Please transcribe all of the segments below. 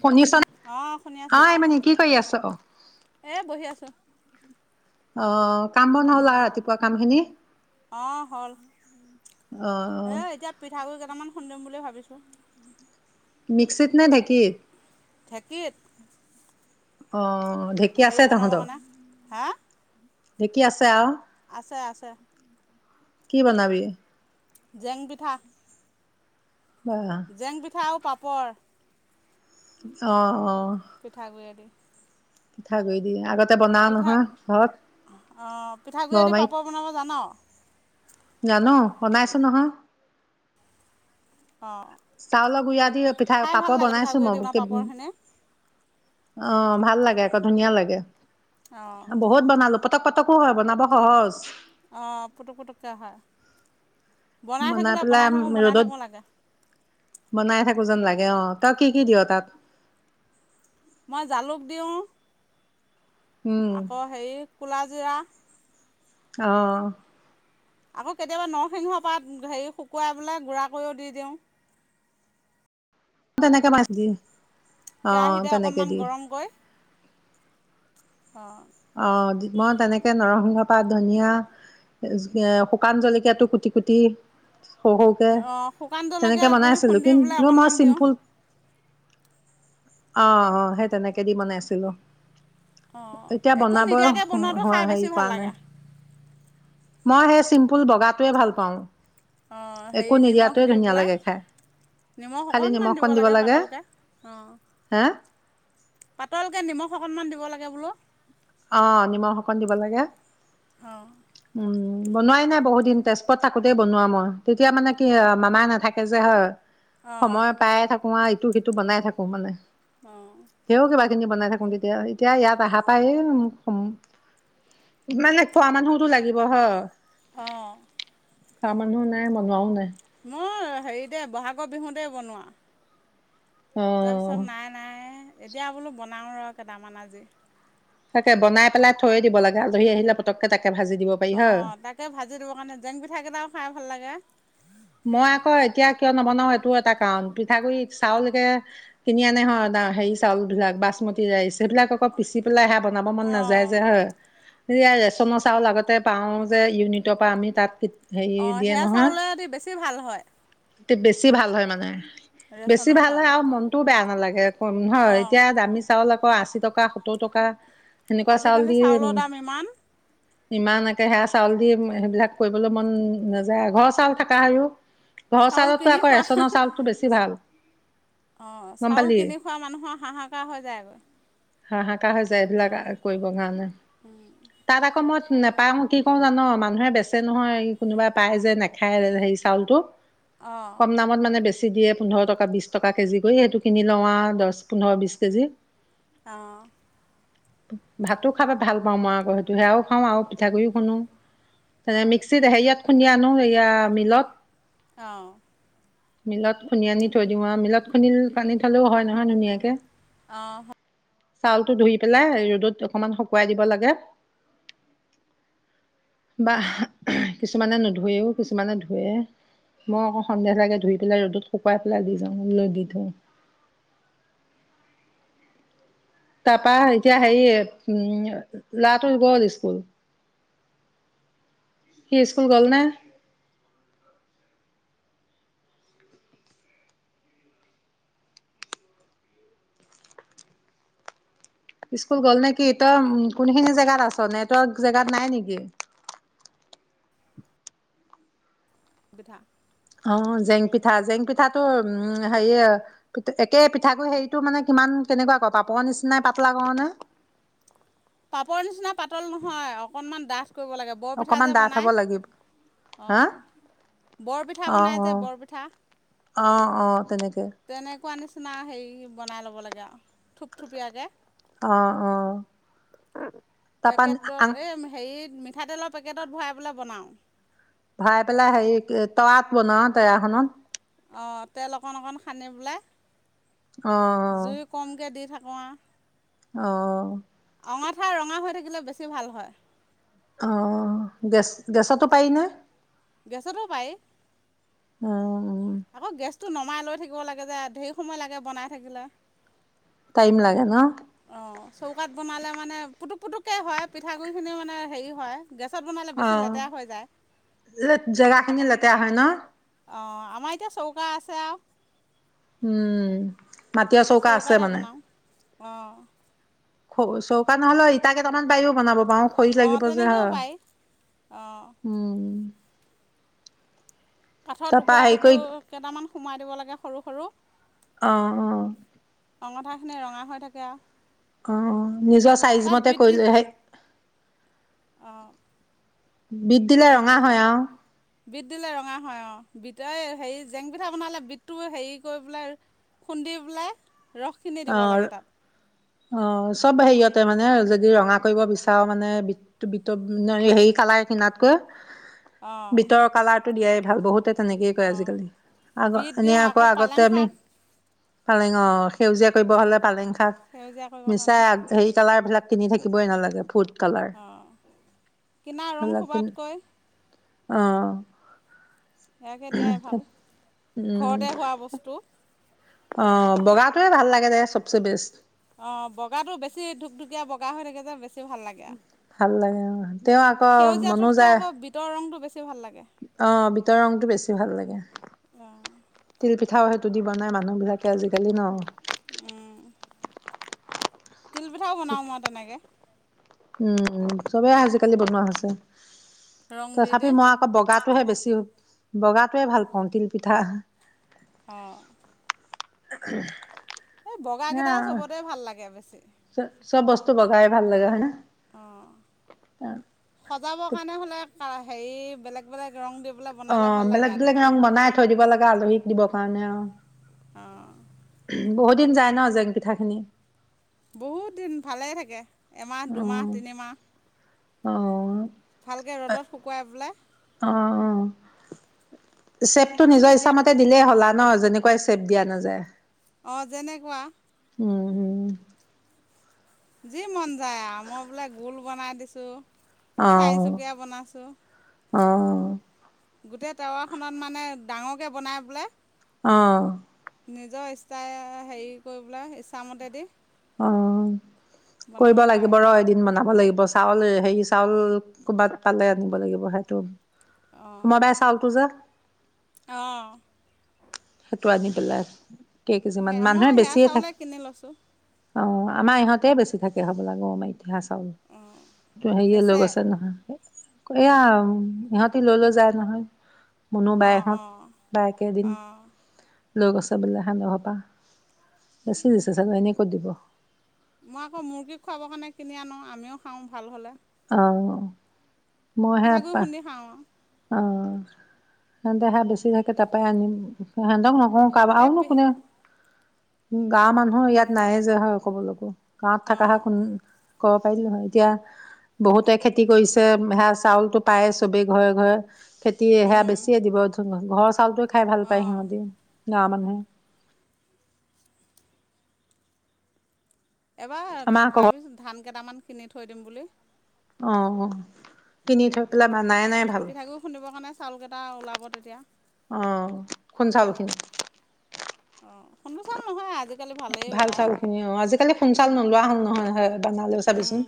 শুনিছ অঁ শুনি অ আছোঁ মানে কি কৰি আছ অ এই বহি আছোঁ অ কাম হ'ল আৰু বন গল ৰাতিপুৱা কাম খিনি। অ হ'ল অ' এ এতিয়া পিঠাগুৰি কটামান খুন্দিম বুলি ভাবিছোঁ মিক্সিত নাই ঢেঁকী ঢেঁকীত অ ঢেঁকী আছে হেৰিও বনাব তহঁতৰ? কাৰনে হা ঢেঁকী আছে আও আছে আছে কি বনাবি জেং পিঠা বা জেং পিঠা আৰু পাপৰ অ অ পিঠাগে দি পিঠাগৈ দি আগতে বনাও পিঠা নহয় ঘৰত অঁ পিঠাগুড়িৰ গৰমাৰিত। পাপৰ বনাব জান জানো বনাইছো নহয় চাউলৰ গুৰি আ দি পিঠা খাই ভাল পাপৰ লাগে বনাইছো পিঠাগুড়িয়েদি বনোৱা মই পাপৰখিনি অ ভাল লাগে আকৌ ধুনীয়া লাগে অঁ বহুত বন ল পতক পতকো হয় বনাব সহজ অ পুটক পুটকে হয় বনাই থাকিলে পেলাই থাকোঁ বনাই ৰ'দত থাকোঁ লাগে বনাই থাক থাকো যেন লাগে অঁ তই কি কি দিয় তাত মই জালুক দিওঁ উম আক সেই কোলাজিৰা আহ আকৌ কেতিয়াবা নৰসিংহ পাত হেৰি শুকুৱাই পেলাই গুড়া কৰিও দি দিওঁ তেনেকে ভাজি দি অ কেৰাহীতে তেনেকে অকণমান দি গৰমকৈ অঁ অঁ মই তেনেকে নৰসিংহ পাত ধনিয়া এ শুকান জলকীয়াটো কুটি কুটি সৰু সৰুকে অঁ শুকান জলকীয়া তেনেকে গুড়ি বনাইছিলো খুন্দি পেলাই কিন্তু মই অকণমান দিওঁ চিম্পুল আঁহ আঁহ সেই তেনেকে দি বনাইছিলো অঁ এতিয়া একো বনাব নিদিয়াকে বনোৱাটো খাই হেৰি বেছি ভাল কৰা নাই লাগে মই সেই চিম্পুল বগাটোৱে ভাল পাওঁ অঁ একো হেৰি নিমখ নিদিয়াটোৱে দি ধুনীয়া পেলাই লাগে খাই নিমখ অকণমান দিব লাগে পাতলকে অঁ হে পাতলকে নিমখ অকণমান দিব লাগে বোলো অঁ নিমখ অকণ দিব লাগে অঁ উম বনোৱাই নাই বহুত দিন তেজপুৰত থাকোতেই বনোৱা মই তেতিয়া মানে কি মামাই নেথাকে যে হয় অঁ সময় পায়ে থাকো আৱ ইটো সিটো বনাই থাকো মানে অঁ ধেও কিবা বনাই থাকো তেতিয়া এতিয়া ইয়াত আহা পায় উম হোম ইমানে খোৱা মানুহতো লাগিব হ অঁ খোৱা মানুহো নাই বনোৱাও নাই মোৰ হেৰিতে ব'হাগৰ বিহুতে বনোৱা অ', তাৰপিছত নাই নাই এতিয়া বোলো বনাওঁ ৰ কেইটামান আজি তাকে বনাই পেলাই থৈ দিব লাগে আলহী আহিলে পটককে তাকে ভাজি দিব পাৰি অ হয়। তাকে ভাজি দিব কাৰণে জেং পিঠা কেইটাও খাই ভাল লাগে মই আক এতিয়া কিয় নবনাও এইটো এটা কাৰণ পিঠাগুৰি চাউলকে কিনি আনে হয় হেৰি চাউল বিলাক বাচমতি ৰাইচ সেইবিলাক আকৌ পিচি পেলাই বনাব মন নেযায় অঁ যে হয় এতিয়া ৰেচনৰ চাউল আগতে পাও যে ইউনিটৰ পৰা আমি তাত হেৰি অঁ দিয়ে সেয়া নহয় চাউলেদি বেছি ভাল। হয়। বেছি ভাল হয় মানে বেছি ৰেচনৰ ভাল চাউল হয় আৰু মনটোও বেয়া। নালাগে। ম হয় অঁ এতিয়া দামি চাউল। শ আশী টকা, সত্তৰ টকা! সেনেকুৱা চাউল আজিকালি দি চাউলৰ দাম ইমান। ইমান একে সেয়া চাউল দি সেইবিলাক কৰিবলৈ মন নাযায় ঘৰৰ চাউল থাকা হয়ও। অ ঘৰ চাউল চাউলতো কিনি আকৌ খোৱা ৰেচনৰ চাউলতটো বেছি ভাল। অঁ গম চাউল পালি কিনি খোৱা মানুহৰ হাহাকাৰ হৈ যায়গৈ। হাহাকাৰ হৈ যায়, এইবিলাক কৰিব কাৰণে। তাত আকৌ ম। নাপাওঁ কি কৰোঁ জান, মানুহে বেচে নহয় কোনোবা পাই যে নেখায় হেৰি চাউল টো অঁ কম দামত মানে বেছি দিয়ে পোন্ধৰ টকা বিশ টকা কেজি কৰি, সেইটোখিনি লওঁ আৰু দহ পোন্ধৰ বিশ কেজি- অঁ, ! ভাতো খাব ভাল পাওঁ মই, আকৌ সেইটো সেয়াও খাওঁ আৰু পিঠাগুড়িও খুন। নে অঁ মিক্সিত আহে ইয়াত খুন্দিয়া। মানো এয়া মিলত। অঁ, ! মেলত খুন্দি আনি থৈ দিওঁ আৰু মেলত খুন্দিল পানী থলেওঁ হয় নহয় ধুনীয়াকে। অঁ, ! চাউলটো ধুই পেলাই ৰ'দত অকমান শুকুৱাই দিব লাগে? বা কিছুমানে নুধুুৱেও কিছুমানে ধুৱে। মই আকৌ সন্ধেহ লাগে ধুই পেলাই ৰ'দত শুকুৱাই পেলাই দি যাওঁ লৈ দি থওঁ। তাৰপা এতিয়া হেৰি উম লৰাটো গ'ল স্কুল। সি স্কুল গ'ল নে? স্কুল গ'ল নেকি? তই কোনখিনি জেগাত আছ নেটৱৰ্ক জেগাত নাই নেকি? পিঠা অঁ জেং পিঠা, জেং পিঠাটো উম হেৰিয়ে একে পিঠা হেৰিটো মানে কিমান কেনেকুৱা ক পাপৰ নিচিনাই পাতলা কৰ নে পাপৰ নিচিনা পাতল নহয়, অকনমান ডাঠ! কৰিব লাগে। বৰপিঠা অকমান যে ডাঠ বনায়, হ'ব লাগিব হা অঁ বৰপিঠা অ' বনাই যে অ' বৰপিঠা অ' অ' তেনেকে তেনেকুৱা নিচনা। চিনা হেৰি বনাই ল'ব লাগে আও থুপথুপীয়াকে অঁ অঁ। পেকেটত এ হেৰি মিঠাতেলৰ পেকেটত ভৰাই পেলাই বনাওঁ। ভৰাই পেলাই হেৰি তয়াত বনাও তয়াখনত। অ 'তেল অকণ -অকণ সানি পেলাই, অ জুই কমকে দি থাক। কুৱাহ। অহ, ' অঙঠা ৰঙা হৈ থাকিলে বেছি ভাল হয়। অ 'গেছ -গেছতো পাৰি নহয়? গেছতো পাৰি, উম আকৌ গেছ, টো নমাই লৈ থাকিব লাগে যে, ঢেই সময় লাগে বনাই থাকিলে। টাইম লাগে ন।? অ' চৌকাত বনালে মানে পুতুক -পুটুককে হয়, পিঠাগুৰি খিনি মানে হেৰি হয়। গেছত বনালে বেছি অহ, লেতেৰা হৈ যায় লেত -জেগাখিনি লেতেৰা হয় ন।? অ' আমাৰ এতিয়া চৌকা আছে আও। উম, মাটিৰ চৌকা আছে চৌকাতে মানে বনাওঁ অ',। খৌ চৌকা নহলেও ইটা কেইটামান পাৰিও বনাব, বাওঁ খৰি অঁ লাগিব যে তেনেকৈও হা, পাৰি অঁ উম, ' কাঠৰ তাৰপা টুকুৰা- হেৰি কৰি টুকুৰ কেইটামান সোমাই দিব লাগে। সৰু - সৰু, অহ, - অ, অঙঠাখিনি ৰঙা হৈ থাকে আও। অ' নিজৰ চাইজ মতে কৰি লোৱাহেইত। অহ, বিট দিলে ৰঙা হয় আও। বিট দিলে ৰঙা হয় অ', বিট ঐ হেৰি জেং পিঠা বনালে বিটটো হেৰি কৰি পেলাই, খুন্দি পেলাই, ৰসখিনি দিব অ' লাগে তাত অ চব হেৰিয়তে মানে যদি ৰঙা, কৰিব বিচাৰো মানে বিট বিটৰ হেৰি কালাৰ কিনাতকৈ, অঁ বিটৰ কালাৰ, দিয়াই ভাল বহুতে, তেনেকেই কয় অঁ আজিকালি, আগ বিট এনে দিওঁ আকৌ আগতে পালেং আমি, শাক পালেঙৰ, সেউজীয়া কৰিব হ'লে পালেং। সেউজীয়া কৰিবৰ মিছাই কাৰণে অগজাৰি, কালাৰবিলাক কিনি থাকিবই নালাগে, ফুড, কালাৰ অ'কিনা ৰং সপাতকৈ, অহ, ' সেয়াকে দিয়াই ভাল, উম ঘৰতে হোৱা বস্তু অ, বগাটোৱে ভাল লাগে যে, চবচে বেষ্ট। অ, বগাটো বেছি ধুক-ধুকীয়া বগা হৈ থাকে যে, বেছি ভাল লাগে আৰু ভাল লাগে অ, তেওঁ আকৌ সেউজীয়াটোতকৈ মনোযায় আকৌ বিটৰ ৰংটো বেছি ভাল লাগে। অ, ভিতৰৰ ৰংটো বেছি ভাল লাগে, তিল পিঠা পিঠাও, সেইটো দি বনাই মানুহ বিলাকে আজিকালি ন, উম, তিলপিঠাও বনাওঁ মই তেনেকে উম, চবেই আজিকালি বনোৱা হৈছে। ৰং দি তথাপি, দি। মই আকৌ বগাটোহে বেছি বগাটোৱে ভাল পাওঁ, তিলপিঠা অ উম এই বগা কেইটাই চবতে ভাল লাগে বেছি। চ-চব বস্তু বগাই ভাল লাগে হয় না? অ, সজাবৰ কাৰণে হ'লে হেৰি, বেলেগ-বেলেগ ৰং দিব। অ, বেলেগ-বেলেগ ৰং বনাই থৈ দিব লাগে, আলহীক দিবৰ কাৰণে, অ [unintelligible] অ বহুত দিন যায় ন, জেং পিঠাখিনি বহুত দিন ভালে থাকে। এমাহ, অ দুমাহ, তিনিমাহ অ ভালকে ৰ'দত শুকুৱাই পেলাই অ'হ চেপটো মই বোলো নিজৰ এতিয়া ইচ্ছা মতে দিলেই হ'ল আৰু ন, যেনেকুৱাই ছেপ দিয়া নাযায় অ, যেনেকুৱা উম-উম যি মন যায়, মই বোলে গোল বনাই দিছোঁ। চাৰি-চুকিয়া বনাইছোঁ। অ'হ গোটেই, টাৱাখনত মানে ডাঙৰকে বনাই বোলে অ'হ নিজৰ ইচ্ছাই, হেৰি কৰিবলৈ ইচ্ছামতে দি অ কৰিব বনাব লাগিব, পাৰে ৰ আৰু এদিন বনাব লাগিব। চাউল হেৰি চাউল ক'ৰবাত পালে আনিব লাগিব সেইটো অঁ মদাই চাউল টো যে অঁ! টো আনি পেলাই কেইকেজিমান সেয়া মই সেয়া চাউলে কিনি লৈছোঁ। অঁ, আমাৰ ইহঁতে বেছি থাকে হ'ব লাগিব আম তেতিহয়া চাউল অঁ এইটো হেৰিয়ে লৈ বেচে গৈছে নহয়। এয়া ইহঁতি লৈ লৈ যায় নহয়। মনো অঁ বায়হঁত অঁ বায়কেইদিন। অঁ লৈ গছে বোলে সিহঁতৰ ঘৰৰপৰা। বেচি হৈছে চাগে এনেই। ক'ত দিব! মই আকৌ মুৰ্গীক খুৱাবৰ কাৰণে কিনি আনো আমিও খাওঁ ভাল হ'লে। অঁ! পিঠাগুৰি খুন্দি খাওঁ অঁ অঁ তেন্তে সে বেছি থাকে তাৰপৰাই আনি হন্দক ন আৰু কাবও এই ন পি কোনে গাওঁৰ মানুহৰ ইয়াত নায়েই যে হয় ক'ব লো গাওঁ ত থকা হত অঁ কব পাৰিলো নহয় এতিয়া বহুতে খেতি কৰিছে সেয়া চাউলতো পায় চবেই ঘৰে। ঘৰে খেতি সেয়া বেছিয়ে দিব ধন। ঘৰ চাউলটো। খাই ভাল পায় অঁ সিহঁতি। গাঁও মানুহে এবাৰ আমাৰ আকৌ ভাবিছো ধান কেইটামান কিনি থৈ দিম বুলি অঁ কিনি থৈ পেলাই ভাল বানাই নাই পিঠাগুৰি খুন্দিবৰ কাৰণে চাউলকেইটা ওলাব তেতিয়া অঁ খুন্ড চাউল খিনি অঁ খুন্ধু চাউল নহয়। আজিকালি ভালেই ভাল ওলায় চাউল খিনি অ আজিকালি খুন্দু চাউল নোলোৱা হ'ল। নহয় হয় বনালেও চাবিচোন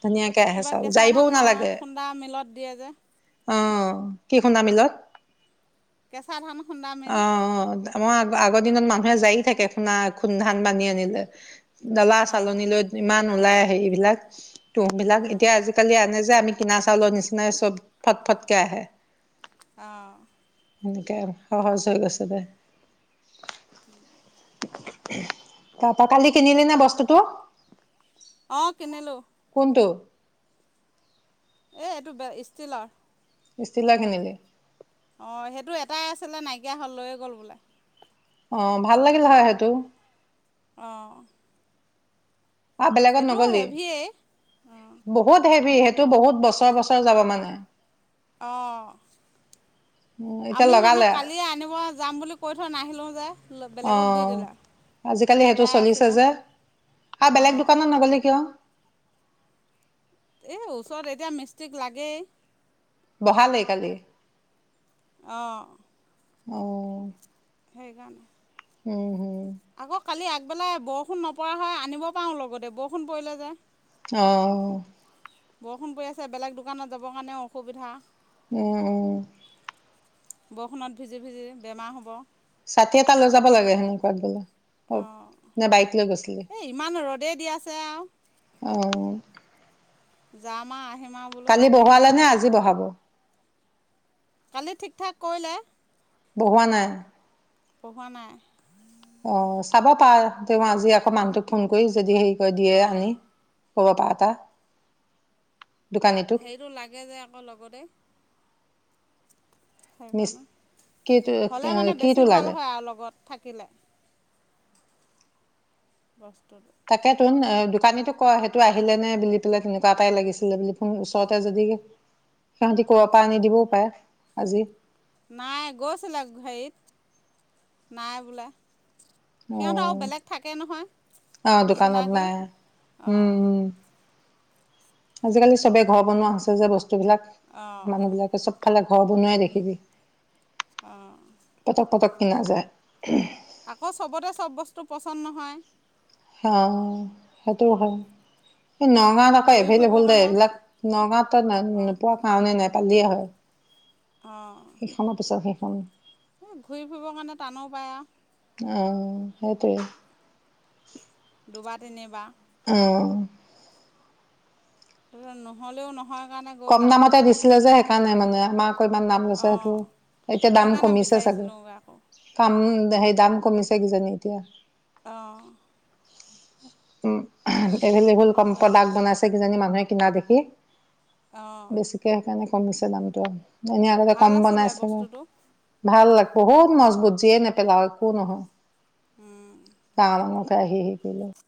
ধুনীয়াকে আহে কিবা চাউল কেঁচা ধান যায়িবও মা নালাগে খুন্দা মিলত দিয়ে যে আহ কি গুটি খুণ্ডা মেলত। কেচা ধান। খুন্দা মিল অঁ! আমাৰ আ আগৰ দিনত মানুহে জাৰি থাকে খুনা ধান বানি আনি যে ডলা অঁ চালনী লৈ ইমান নোলাই সেই বিলাক টোপ বিলাক এতিয়া আজিকালি আনে যে আমি কিনা চাউলৰ নিচিনাই চব ফটফটকে আহে আহ এনেকে আৰু সহজ হৈ গৈছে দে উম [inaudible] তাপা কালি কিনিলি নে বস্তুটো অ কিনিলো কোনটো এ এইটো ষ্টিলৰ ষ্টিলৰ কিনিলি অঁ সেইটো এটাই আছিলে নাইকিয়া হ'ল লৈয়ে গ'ল বোলে অ ভাল লাগিল হয় সেইটো আহঁ আহ বেলেগত নগলি হেভিয়েই অঁ বহুত হেভি সে এইটো বহুত বছৰ বছৰ যাব মানে অঁ উম, এতিয়া আমি মানে লগালে কালিয়ে আনিব যাম বুলি কৈ থৈ নাহিলোঁ যে অ বেলেগক দি দিলে আজিকালি সেইটো এটাই চলিছে আছিলে যে আৰু বেলেগ অঁ দোকানত নগলি কিয়? এই ওচৰত এতিয়া মিষ্টিক লাগেই বহালেই কালি অঁ আহ সেইকাৰণে উম হুম আকৌ কালি আগ বেলা বৰষুণ নপৰা হয় আনিব পাৰোঁ লগতে বৰষুণ পৰিলে যে আহ বৰষুণ পৰি আছে বেলেগ দোকানত যাবৰ কাৰণেও অসুবিধা উম উম বৰষুণত ভিজি ভিজি বেমাৰ হ'ব ছাতি এটা লৈ যাব লাগে সেনেকুৱাত গ'লে অ অঁ নে বাইক লৈ গৈছিলি এই ইমান ৰ'দেই দি আছে আৰু অ যামা আহিম আৰু বোলো কালি ছাতি বহোৱালে নে আজি বহাব ব কালি ঠিক ঠাক কৰিলে বহোৱা নাই বহোৱা নাই অ', চাব পাৱ তেওঁ আজি আকৌ মানুহটোক ফোন কৰি যদি সেই থৈ দিয়ে অঁ আনি ক'ব পাৰা তাক হেৰিটো লাগে যে আকৌ লগতে মিছ সেইকাৰণে, কিটো হ'লে মানে কিটো বেছি ভাল লাগে? হয় আৰু লগত থাকে কিলে বস্তু তাকে তো, এ দোকানীকটোক কয় সেইটো আহিলে নে বুলি পেলাই, তেনেকুৱা এটাই লাগিছিলে বুলি, ফোন ওচৰতে যদি সিহঁতি ক‌ৰ বা পৰা আনি দিবও পাৰে আজি নাই, গৈছিলে হেৰিত নাই বোলে। সিহঁতৰ আৰু অহ, বেলেগ থাকে নহয় অহ দোকানত চিনাকি নাই, অঁ উম আজিকালি চবে ঘৰ বনোৱা হৈছে যে বস্তুবিলাক, অঁ মানুহ বিলাকে চব ফালে ঘৰ বনোৱাই দেখিবি, অঁ পটক-পটক এনাজাৰ [unintelligible] আকৌ, চবতে চব বস্তু পচন্দ নহয়। হা, সেইটো হয় এই নগাঁৱত আকৌ ঘূৰি এভেইলেবল ফুৰিবৰ দে কাৰণে এইবিলাক, নগাঁৱতো ন অঁ নোপোৱা কাৰণে নাই। পালিয়ে হয়। অঁ সেইখনৰ পিছত সে হম এই, ঘূৰি-ফুৰিবৰ কাৰণে টানো পায় আৰু অ, সেইটোৱে দুবাৰ, তিনিবাৰ উম নহ'লেও নহয় নহয় কাৰণে কম গ'ল দামতে আৰু দিছিলে যে, সেইকাৰণে নাই মানে আমাক কৈ দাম লৈছে, অঁ সেইটো এতিয়া দাম সেইকাৰণে কমিছে চাগে, বিচাৰিছিলোঁগৈ আকৌ কমি সেই, দাম কমিছে কিজানি এতিয়া অহ উম এভেল-এবোল কম তেনেকুৱাই হ'ব প্ৰডাক্ট চাগে বনাইছে, কিজানী মানুহে কিনা দেখি অঁ বেছিকে সেইকাৰণে কমিছে দামটো। এনে আগতে ভাল কম আছিলে বনাইছে নে, বস্তুটো ভাল লাগে। বহুত মজবুত, যিয়ে নেপেলাও একো নহয়। চাল খ আহি শিকিলো।